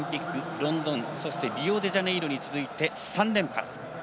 ロンドン、そしてリオデジャネイロに続いて３連覇です。